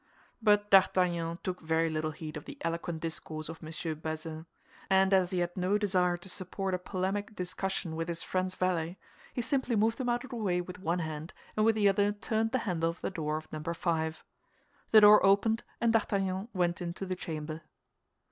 But D'Artagnan took very little heed of the eloquent discourse of M. Bazin; and as he had no desire to support a polemic discussion with his friend's valet, he simply moved him out of the way with one hand, and with the other turned the handle of the door of Number Five. The door opened, and D'Artagnan went into the chamber.